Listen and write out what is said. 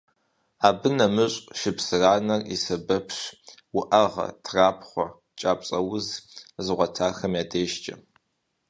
Абы нэмыщӏ шыпсыранэр и сэбэпщ уӏэгъэ, трапхъуэ, кӏапцӏэуз зыгъуэтахэм я дежкӏэ.